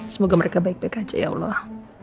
semoga mereka baik baik aja ya allah